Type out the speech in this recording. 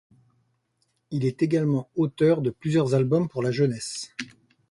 Il est également auteur de plusieurs albums pour la jeunesse.